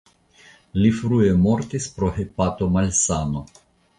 Li frue mortis pro hepatomalsano.